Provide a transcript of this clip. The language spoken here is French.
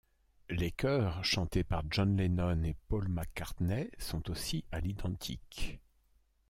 Les chœurs, chantés par John Lennon et Paul McCartney, sont aussi à l'identique.